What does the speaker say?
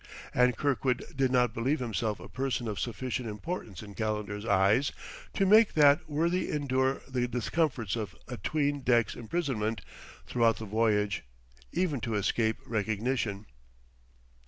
And Kirkwood did not believe himself a person of sufficient importance in Calendar's eyes, to make that worthy endure the discomforts of a'tween decks imprisonment throughout the voyage, even to escape recognition.